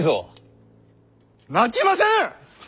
泣きませぬ！